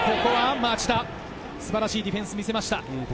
町田、素晴らしいディフェンスをみせました。